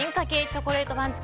チョコレート番付